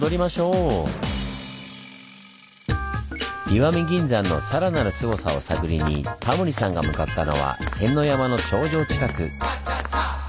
石見銀山のさらなるスゴさを探りにタモリさんが向かったのは仙ノ山の頂上近く。